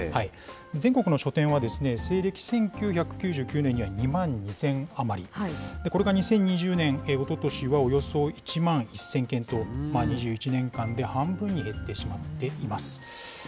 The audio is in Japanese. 全国の書店は、西暦１９９９年には２万２０００余り、これが２０２０年、おととしはおよそ１万１０００軒と２１年間で半分に減ってしまっています。